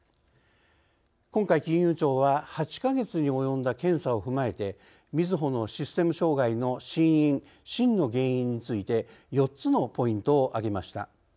今回、金融庁は８か月に及んだ検査を踏まえてみずほのシステム障害の真因・真の原因について４つのポイントを挙げました。